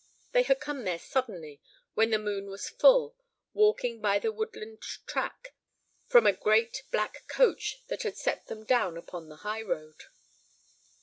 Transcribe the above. They had come there suddenly, when the moon was full, walking by the woodland track from a great black coach that had set them down upon the high road.